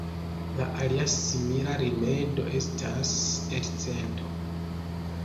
La alia simila rimedo estas elcento.